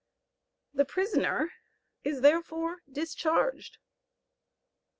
The prisoner is therefore discharged.